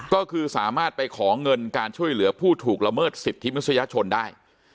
ก็คือสามารถไปขอเงินการช่วยเหลือผู้ถูกละเมิดสิทธิมนุษยชนได้